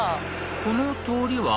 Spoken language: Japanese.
この通りは？